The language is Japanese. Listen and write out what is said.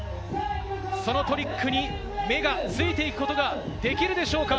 そのトリックに目がついていくことができるでしょうか。